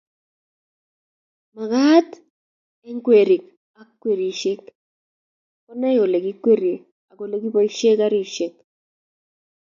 magat eng kwerik ab karishek konai ole kikwerie ak ole kiboishe garishek